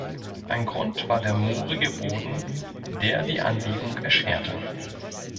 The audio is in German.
Ein Grund war der moorige Boden, der die Anlegung erschwerte.